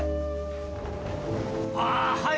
あぁ！